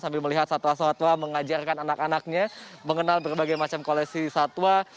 sambil melihat satwa satwa mengajarkan anak anaknya mengenal berbagai macam koleksi satwa